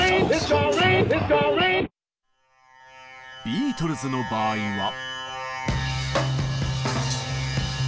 ビートルズの場合は。